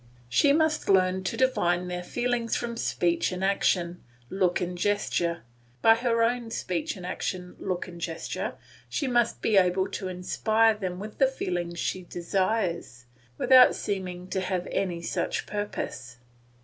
She must learn to divine their feelings from speech and action, look and gesture. By her own speech and action, look and gesture, she must be able to inspire them with the feelings she desires, without seeming to have any such purpose.